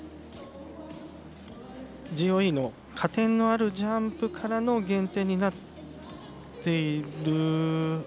ＧＯＥの加点のあるジャンプからの減点になっている。